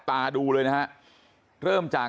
สวัสดีครับคุณผู้ชาย